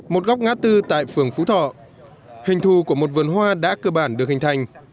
một góc ngã tư tại phường phú thọ hình thù của một vườn hoa đã cơ bản được hình thành